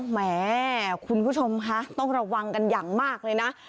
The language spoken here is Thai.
แหมคุณผู้ชมคะต้องระวังกันอย่างมากเลยนะ